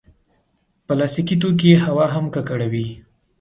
پلاستيکي توکي هوا هم ککړوي.